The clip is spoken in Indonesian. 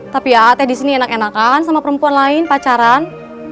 tapi at di sini enak enakan sama perempuan lain pacaran